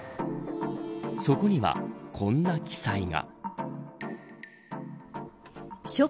そこにはこんな記載が。